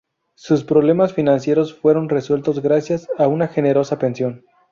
Sus problemas financieros fueron resueltos gracias a una generosa pensión.